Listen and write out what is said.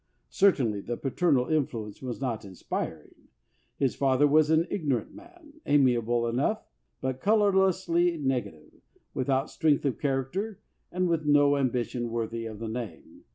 Certainly the paternal influence was not inspiring. His father was an ignorant man, amiable enough, but colorlessly negative, without strength of character, and with no ambition worthy of the name.